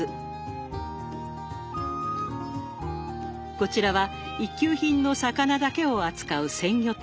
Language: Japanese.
こちらは一級品の魚だけを扱う鮮魚店。